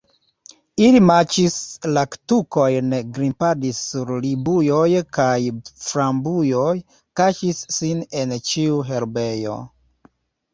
Ili maĉis laktukojn, grimpadis sur ribujoj kaj frambujoj, kaŝis sin en ĉiu herbejo.